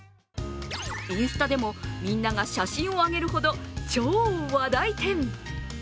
インスタでも、みんなが写真を上げるほど超話題店。